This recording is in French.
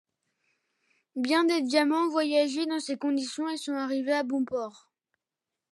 Bien des diamants ont voyagé dans ces conditions et sont arrivés à bon port!